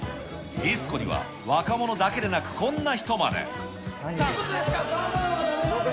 ディスコには若者だけでなく、いくつですか？